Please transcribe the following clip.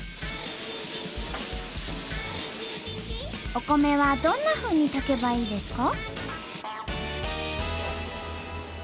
お米はどんなふうに炊けばいいですか？